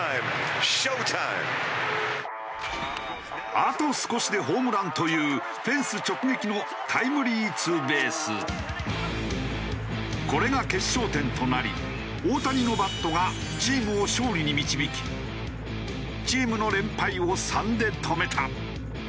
あと少しでホームランというこれが決勝点となり大谷のバットがチームを勝利に導きチームの連敗を３で止めた。